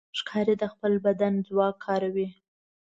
ښکاري د خپل بدن ځواک کاروي.